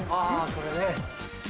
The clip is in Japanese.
あこれね。